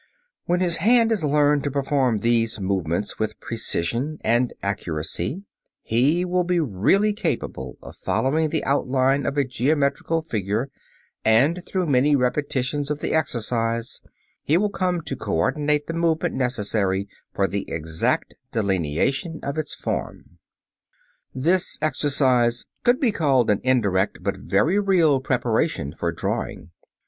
When his hand has learned to perform these movements with precision and accuracy, he will be really capable of following the outline of a geometrical figure, and through many repetitions of the exercise he will come to coordinate the movement necessary for the exact delineation of its form. This exercise could be called an indirect but very real preparation for drawing.